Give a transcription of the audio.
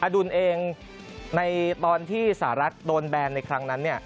ดุลเองในตอนที่สหรัฐโดนแบนในครั้งนั้น